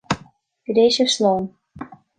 Go dté sibh slán